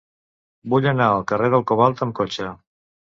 Vull anar al carrer del Cobalt amb cotxe.